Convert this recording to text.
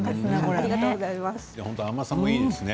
甘さもいいですね